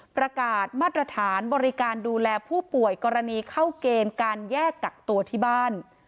ประกาศมาตรฐานบริการดูแลผู้ป่วยกรณีเข้าเกณฑ์การแยกกักตัวที่บ้าน